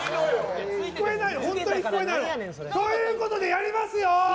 本当に聞こえないの。ということで、やりますよ。